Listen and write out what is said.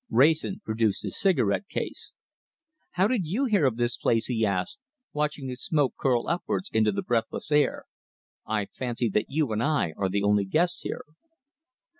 Wrayson produced his cigarette case. "How did you hear of this place?" he asked, watching the smoke curl upwards into the breathless air. "I fancy that you and I are the only guests here."